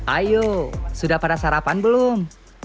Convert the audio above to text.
ayo sudah pada sarapan belum